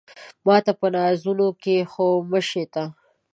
ماته په نازونو کې خو مه شې ته